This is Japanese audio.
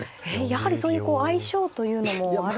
やはりそういう相性というのもあるんでしょうか。